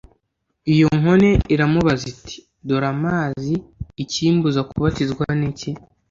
iyo nkone iramubaza iti, ‘Dore amazi , ikimbuza kubatizwa ni iki?’